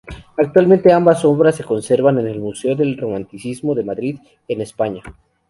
Actualmente ambas obras se conservan en el Museo del Romanticismo de Madrid, en España.